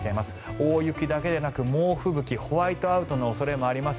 大雪だけでなく猛吹雪ホワイトアウトの恐れもあります。